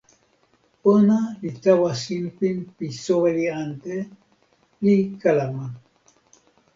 ona li tawa sinpin pi soweli ante, li kalama: